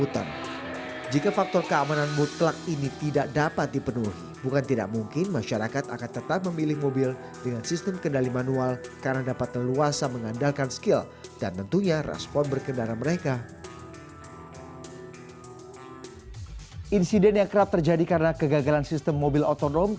tentunya semua pihak berusaha menghindari kemungkinan paling buruk dari cara menghidupkan mobil mobil otonom ini